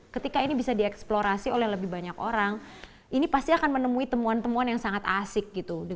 ketika ini bisa dieksplorasi oleh lebih banyak orang ini pasti akan menemui temuan temuan yang sangat asik gitu